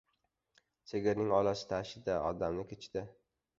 • Sigirning olasi tashida, odamniki ― ichida.